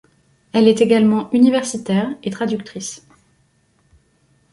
Elle est également universitaire et traductrice.